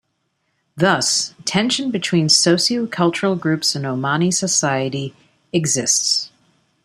Thus, tension between socio-cultural groups in Omani society exists.